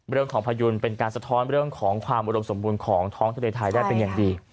พยุนเป็นการสะท้อนเรื่องของความอุดมสมบูรณ์ของท้องทะเลไทยได้เป็นอย่างดี